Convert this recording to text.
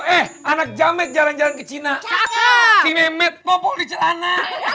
eh anak jamet jalan jalan ke cina kakak si nemet popol di celana